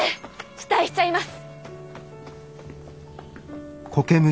期待しちゃいます。